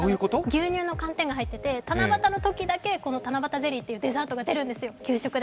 牛乳の寒天が入っていて七夕のときだけ、この七夕ゼリーっていうデザートが給食で出るんですよ。